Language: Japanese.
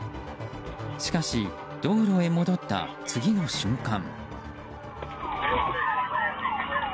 しかし、道路へ戻った次の瞬間。